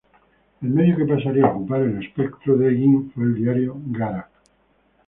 El medio que pasaría a ocupar el espectro de "Egin" fue el diario "Gara".